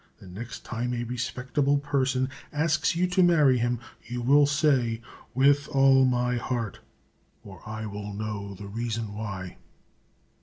The next time a respectable person asks you to marry him, you will say, 'With all my heart!' or I will know the reason why."